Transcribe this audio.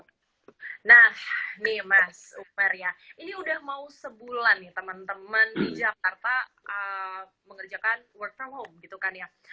nah nih mas umar ya ini udah mau sebulan nih teman teman di jakarta mengerjakan work from home gitu kan ya